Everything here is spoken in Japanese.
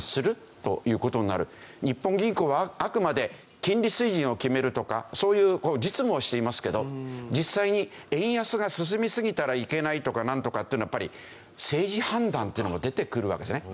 日本銀行はあくまで金利水準を決めるとかそういう実務をしていますけど実際に円安が進みすぎたらいけないとかなんとかっていうのはやっぱり政治判断っていうのが出てくるわけですね。